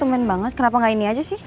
semen banget kenapa gak ini aja sih